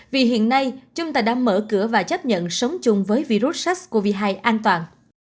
vì hiện nay chúng ta đã mở cửa và chấp nhận sống chung với virus sars cov hai an toàn